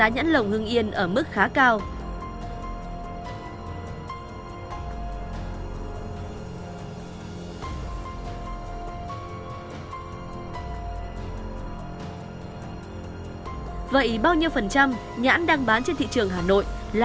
nhãn lồng hương yên ở mức khá cao